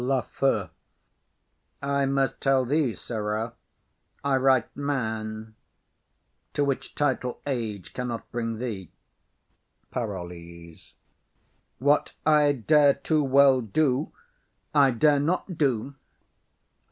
LAFEW. I must tell thee, sirrah, I write man; to which title age cannot bring thee. PAROLLES. What I dare too well do, I dare not do.